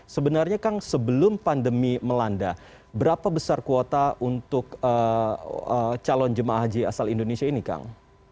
sebenarnya kang sebelum pandemi melanda berapa besar kuota untuk calon jemaah haji asal indonesia ini kang